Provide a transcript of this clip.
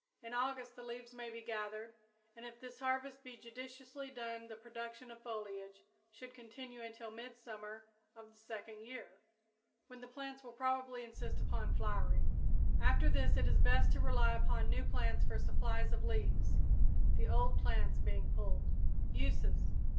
In August the leaves may be gathered, and if this harvest be judiciously done the production of foliage should continue until midsummer of the second year, when the plants will probably insist upon flowering. After this it is best to rely upon new plants for supplies of leaves, the old plants being pulled. _Uses.